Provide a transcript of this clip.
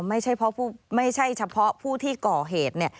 ไม่ใช่เฉพาะผู้ที่ก่อเหตุ